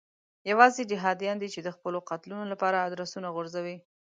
یوازې جهادیان دي چې د خپلو قتلونو لپاره ادرسونه غورځوي.